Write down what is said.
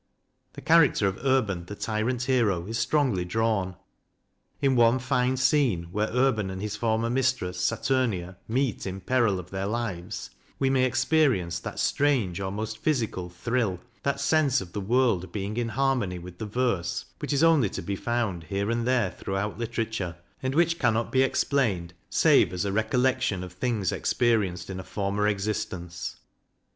The character of Urban, the tyrant hero, is strongly drawn. In one fine scene, where Urban and his former mistress, Saturnia, meet in peril of their lives, we may experience that strange, almost physical thrill, that sense of the world being in JOHN DAVIDSON: REALIST 193 harmony with the verse, which is only to be found here and there throughout literature, and which can not be explained, save as a recollection of things experienced in a former existence.